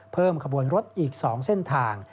เพิ่มขบวนรถอีก๒เส้นทาง